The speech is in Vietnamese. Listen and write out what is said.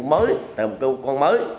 mới tầm cơ quan mới